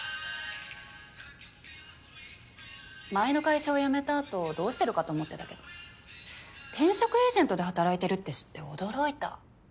前の会社を辞めたあとどうしてるかと思ってたけど転職エージェントで働いてるって知って驚いた。